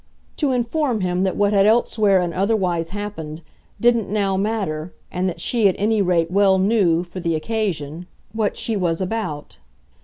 to inform him that what had elsewhere and otherwise happened didn't now matter and that she at any rate well knew, for the occasion, what she was about.